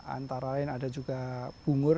antara lain ada juga bungur